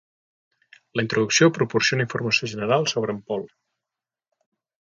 La introducció proporciona informació general sobre en Paul.